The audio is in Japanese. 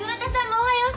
おはよう。